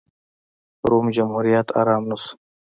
روم جمهوریت ارام نه شو.